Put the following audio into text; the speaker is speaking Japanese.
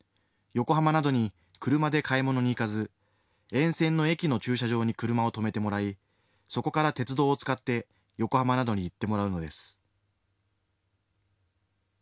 横浜などに車で買い物に行かず、沿線の駅の駐車場に車を止めてもらい、そこから鉄道を使って横浜などに行ってもらうのです。